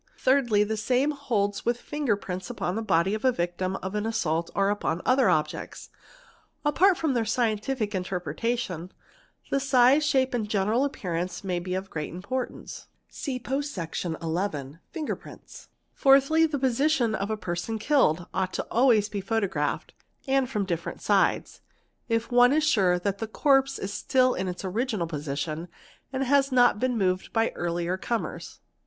Thirdly, the same holds with jinger prints upon the body of the victim of an assault or upon a her objects; apart from their scientific interpretation, the size, shape, a general appearance may be of great mportance (see post Section x1, # Hinger prints). Fourthly, the position of a person killed ought always ' i0 be photographed and from different sides, if one is sure that the corpse )still in its original position and has not been moved by earlier comers.